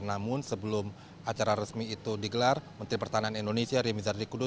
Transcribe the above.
namun sebelum acara resmi itu digelar menteri pertahanan indonesia ria mizar triakudu